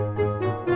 gak ada apa apa